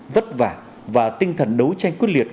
vất vả và tinh thần đấu tranh quyết liệt